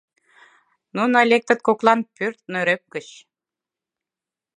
Нуно лектыт коклан пӧрт нӧреп гыч